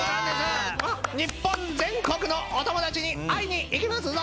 日本全国のお友達に会いに行きますぞ！